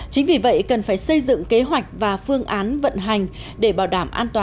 chính vì vậy cần phải xây dựng kế hoạch và phương án vận hành để bảo đảm an toàn